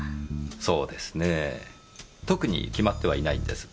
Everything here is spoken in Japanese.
そうですねぇ特に決まってはいないんです。